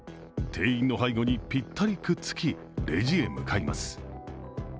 店員の背後にぴったりくっつきレジへ向かいます。